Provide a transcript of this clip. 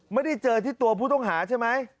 ไม่ได้เจอที่ตัวผู้ต้องหาใช่ไหม